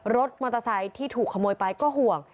รถมอเตอร์ไซค์ที่ถูกขโมยไปก็ห่วง